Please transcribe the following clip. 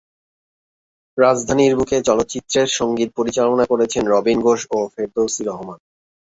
রাজধানীর বুকে চলচ্চিত্রের সঙ্গীত পরিচালনা করেছেন রবিন ঘোষ ও ফেরদৌসী রহমান।